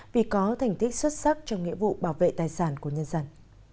vì có thành tích xuất sắc trong nghĩa vụ bảo vệ tài sản của nhân dân